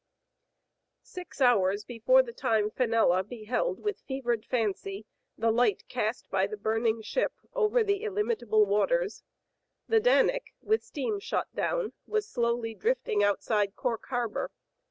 Six hours before the time Fenella beheld with fevered fancy the light cast by the burning ship over the illimitable waters, the Danic^ with steam shut down, was slowly drifting outside Cork Harbor.